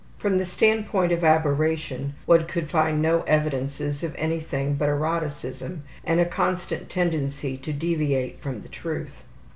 From the standpoint of aberration one could find no evidences of anything but eroticism and a constant tendency to deviate from the truth.